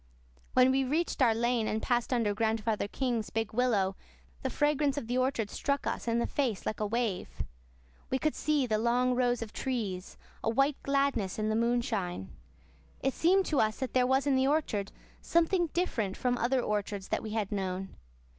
When we reached our lane and passed under Grandfather King's big willow the fragrance of the orchard struck us in the face like a wave. We could see the long rows of trees, a white gladness in the moonshine. It seemed to us that there was in the orchard something different from other orchards that we had known.